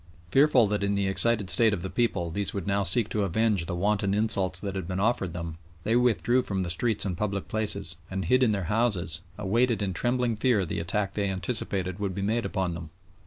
Fearful that in the excited state of the people these would now seek to avenge the wanton insults that had been offered them, they withdrew from the streets and public places and hid in their houses, awaited in trembling fear the attack they anticipated would be made upon them.